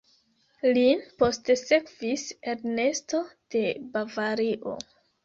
Lin postsekvis Ernesto de Bavario.